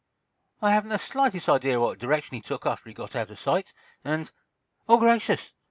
"I haven't the slightest idea what direction he took after he got out of sight, and—oh, gracious!